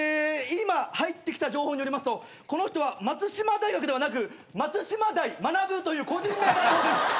今入ってきた情報によりますとこの人は松島大学ではなく松島大学という個人名だそうです！